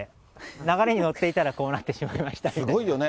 流れに乗っていたら、こうなってすごいよね。